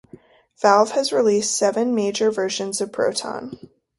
Valve has released seven major versions of Proton.